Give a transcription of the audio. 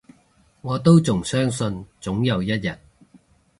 我都仲相信，總有一日